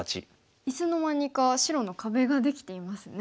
いつの間にか白の壁ができていますね。